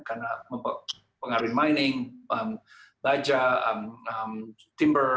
karena pengaruh mining baja timber